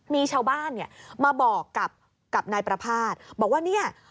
มีชาวบ้านเนี่ยมาบอกกับนายประภาษณ์บอกว่าเนี่ย